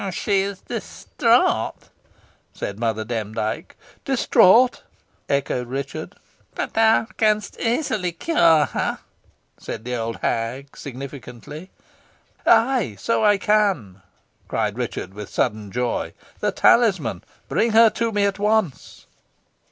"She is distraught," said Mother Demdike. "Distraught!" echoed Richard. "But thou canst easily cure her," said the old hag, significantly. "Ay, so I can," cried Richard with sudden joy "the talisman! Bring her to me at once."